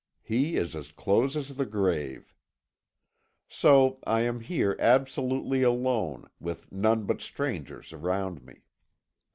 He is as close as the grave. So I am here absolutely alone, with none but strangers around me.